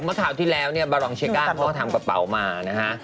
เมื่อเท่าที่แล้วเนี่ยบารองเชก้าเขาทำกระเป๋ามานะฮะ